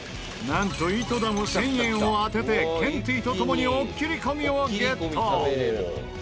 なんと井戸田も１０００円を当ててケンティーとともにおっきりこみをゲット！